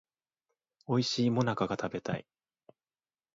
おいしい最中が食べたい